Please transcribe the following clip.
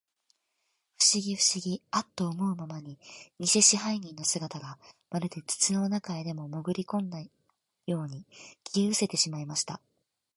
ふしぎ、ふしぎ、アッと思うまに、にせ支配人の姿が、まるで土の中へでも、もぐりこんだように、消えうせてしまいました。